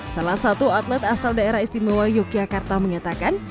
salah satu atlet asal daerah istimewa yogyakarta menyatakan